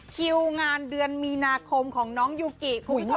คิวงานเดือนมีนาคมของน้องยุกิ